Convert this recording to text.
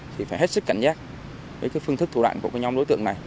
thì phải hết sức cảnh giác với phương thức thủ đoạn của nhóm đối tượng này